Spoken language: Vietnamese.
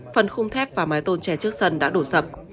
phần khung thép và mái tôn tre trước sân đã đổ sập